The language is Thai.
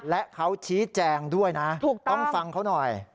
และเขาชี้แจงด้วยนะถูกต้องเขาหน่อย